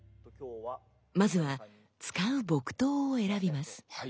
まずは使う木刀を選びます。